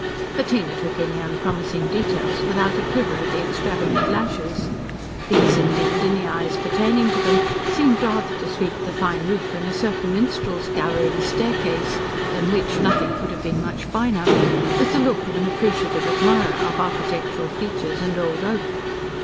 Bettina took in the unpromising details without a quiver of the extravagant lashes. These, indeed, and the eyes pertaining to them, seemed rather to sweep the fine roof, and a certain minstrel's gallery and staircase, than which nothing could have been much finer, with the look of an appreciative admirer of architectural features and old oak.